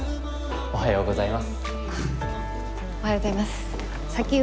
おはようございます。